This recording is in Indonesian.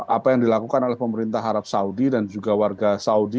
apa yang dilakukan oleh pemerintah arab saudi dan juga warga saudi